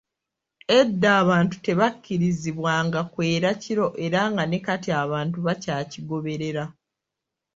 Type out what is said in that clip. Edda abantu tebakkirizibwanga kwera kiro era nga ne kati abantu bakyakigoberera.